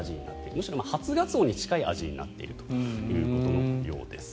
むしろ初ガツオに近い味になっているということのようです。